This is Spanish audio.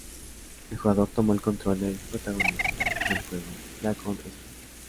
El jugador toma el control del protagonista del juego, Deacon St.